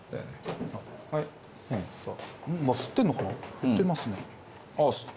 吸ってますね。